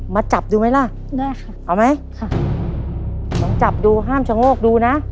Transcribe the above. จับดูไหมล่ะได้ค่ะเอาไหมค่ะลองจับดูห้ามชะโงกดูนะ